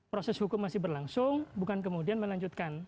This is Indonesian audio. proses hukum masih berlangsung bukan kemudian melanjutkan